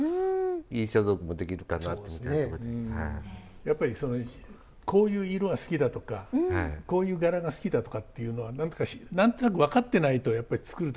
やっぱりこういう色が好きだとかこういう柄が好きだとかっていうのは何となく分かってないとやっぱり作る時。